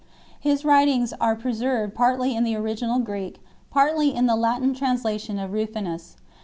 His writings are preserved partly in the original Greek, partly in the Latin translation of Rufinus.